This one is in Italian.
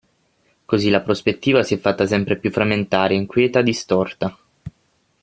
Così la prospettiva si è fatta sempre più frammentaria, inquieta, distorta.